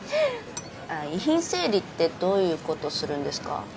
遺品整理ってどういう事するんですか？